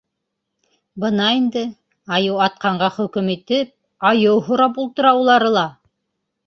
Бына инде, айыу атҡанға хөкөм итеп, айыу һорап ултыра улары ла.